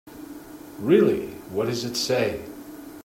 Really, what does it say?